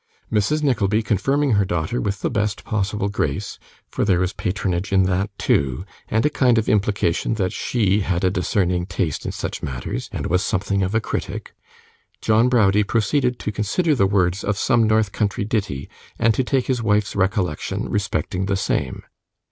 Mrs. Nickleby confirming her daughter with the best possible grace for there was patronage in that too, and a kind of implication that she had a discerning taste in such matters, and was something of a critic John Browdie proceeded to consider the words of some north country ditty, and to take his wife's recollection respecting the same.